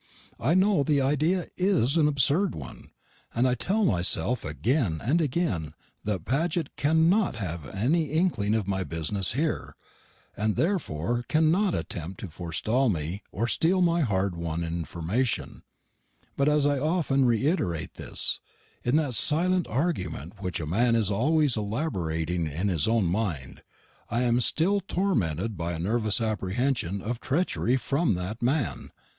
I know the idea is an absurd one, and I tell myself again and again that Paget cannot have any inkling of my business here, and therefore cannot attempt to forestall me or steal my hard won information. But often as I reiterate this in that silent argument which a man is always elaborating in his own mind I am still tormented by a nervous apprehension of treachery from that man.